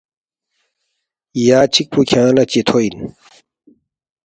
یا چِک پو کھیانگ لہ چِتھو اِن